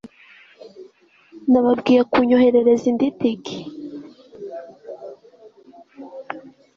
nababwiye kunyoherereza indi tike